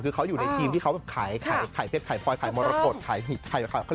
คือเขาอยู่ในทีมที่เขาแบบขายเพล็ดขายพลอยขายมรกฎขายยก